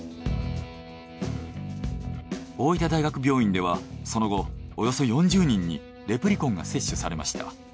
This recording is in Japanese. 大分大学病院ではその後およそ４０人にレプリコンが接種されました。